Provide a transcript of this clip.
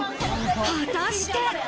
果たして。